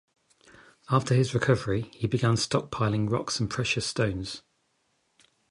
After his recovery, he began stockpiling rocks and precious stones.